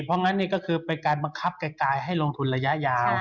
เพราะงั้นนี่ก็คือเป็นการบังคับไกลให้ลงทุนระยะยาว